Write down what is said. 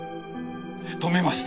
止めました。